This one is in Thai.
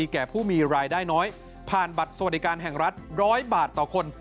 แก่ผู้มีรายได้น้อยผ่านบัตรสวัสดิการแห่งรัฐ๑๐๐บาทต่อคน